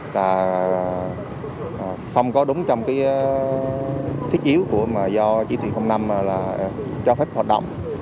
là không có đúng trong cái thiết yếu mà do chỉ thị năm là cho phép hoạt động